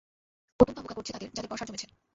অত্যন্ত অবজ্ঞা করছে তাদের যাদের পসার জমেছে।